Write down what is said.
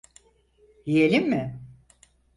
Yiyelim mi?